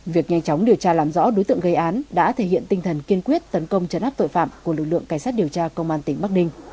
việc nhanh chóng điều tra làm rõ đối tượng gây án đã thể hiện tinh thần kiên quyết tấn công chấn áp tội phạm của lực lượng cảnh sát điều tra công an tỉnh bắc ninh